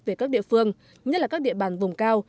về các địa phương nhất là các địa bàn vùng cao